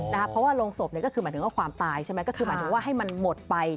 เพราะว่าโรงศพก็คือหมายถึงว่าความตายใช่ไหมก็คือหมายถึงว่าให้มันหมดไป